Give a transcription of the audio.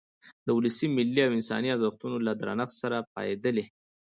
د ولسي، ملي او انساني ارزښتونو له درنښت سره پاېدلی.